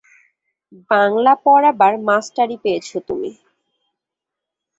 বাংলা পড়াবার মাস্টারি পেয়েছ তুমি।